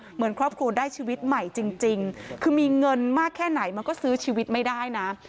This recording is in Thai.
เหมือนครอบครัวได้ชีวิตใหม่จริงคือมีเงินมากแค่ไหนมันก็ซื้อชีวิตไม่ได้นะ